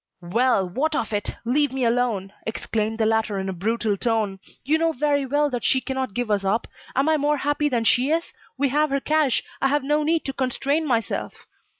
"Well, what of it? Leave me alone!" exclaimed the latter in a brutal tone, "you know very well that she cannot give us up. Am I more happy than she is? We have her cash, I have no need to constrain myself."